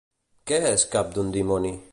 Què és Cap d'un dimoni?